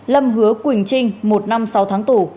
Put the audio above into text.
lâm hứa quỳnh trinh một năm sáu tháng tù